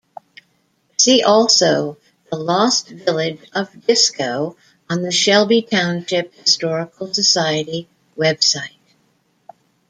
See also: "The Lost Village of Disco" on the Shelby Township Historical Society website.